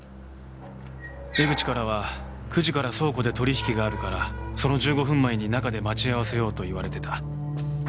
江口からは９時から倉庫で取引があるからその１５分前に中で待ち合わせようと言われてた。